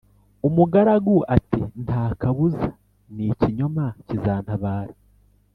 umugaragu ati"ntakabuza nikinyoma kizantabara"